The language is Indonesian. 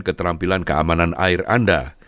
keterampilan keamanan air anda